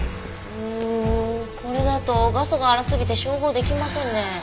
うーんこれだと画素が粗すぎて照合できませんね。